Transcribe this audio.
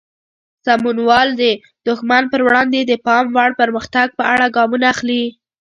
سمونوال د دښمن پر وړاندې د پام وړ پرمختګ په اړه ګامونه اخلي.